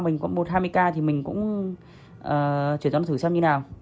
mình có một hai mươi k thì mình cũng chuyển cho nó thử xem như nào